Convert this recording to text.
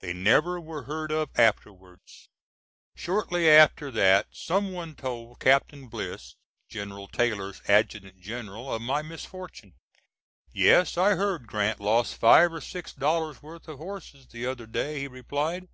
They never were heard of afterwards. Shortly after that some one told Captain Bliss, General Taylor's Adjutant General, of my misfortune. "Yes; I heard Grant lost five or six dollars' worth of horses the other day," he replied.